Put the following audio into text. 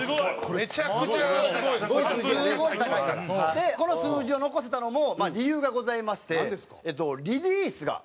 でこの数字を残せたのも理由がございまして。